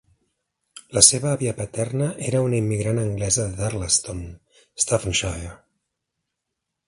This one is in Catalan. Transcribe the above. La seva àvia paterna era una immigrant anglesa de Darlaston, Staffordshire.